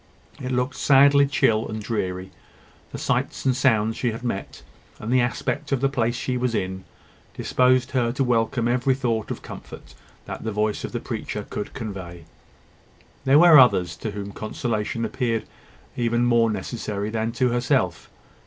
It looked sadly chill and dreary. The sights and sounds she had met, and the aspect of the place she was in, disposed her to welcome every thought of comfort that the voice of the preacher could convey. There were others to whom consolation appeared even more necessary than to herself.